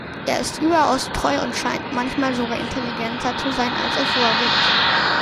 Er ist überaus treu und scheint manchmal sogar intelligenter zu sein, als er vorgibt.